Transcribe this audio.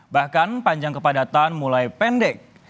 bahkan panjang kepadatan mulai pendek